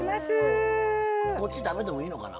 こっち食べてもいいのかな。